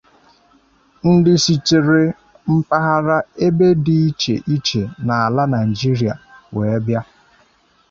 ndị sitere mpaghara ebe dị iche iche n'ala Nigeria wee bịa